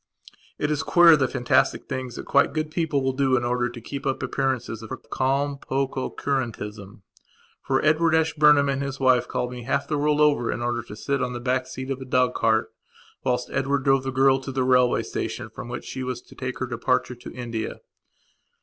It is queer the fantastic things that quite good people will do in order to keep up their appearance of calm pococurantism. For Edward Ashburnham and his wife called me half the world over in order to sit on the back seat of a dog cart whilst Edward drove the girl to the railway station from which she was to take her departure to India.